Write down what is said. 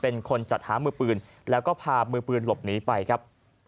เป็นคนจัดหามือปืนแล้วก็พามือปืนหลบหนีไปครับ